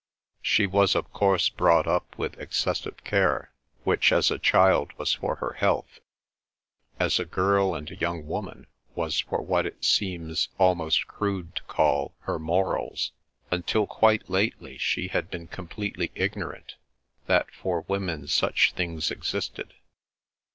She was of course brought up with excessive care, which as a child was for her health; as a girl and a young woman was for what it seems almost crude to call her morals. Until quite lately she had been completely ignorant that for women such things existed.